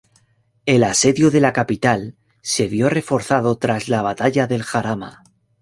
El asedio de la capital se vio reforzado tras la Batalla del Jarama.